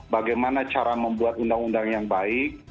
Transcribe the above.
bagaimana cara membuat undang undang yang baik